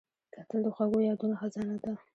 کتل د خوږو یادونو خزانه ده